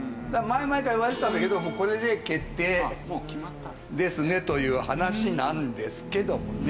前々から言われてたんだけどこれで決定ですねという話なんですけどもね。